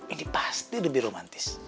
ini pasti lebih romantis